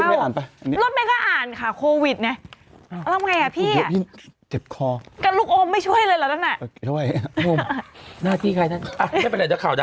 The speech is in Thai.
เมื่อกี้เขาก็เล่าโรยองแบบนี้สังเจ้า